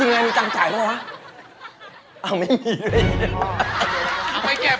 ต้องนำไปก่อนเลยที่